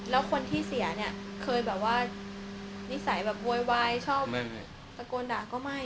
แล้วคนที่เสียเนี่ยเคยแบบว่านิสัยแบบโวยวายชอบตะโกนด่าก็ไม่